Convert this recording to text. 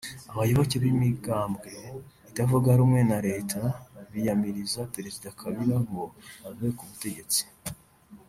abayoboke b’imigambwe itavuga rumwe na reta biyamiriza perezida Kabila ngo ave ku butegetsi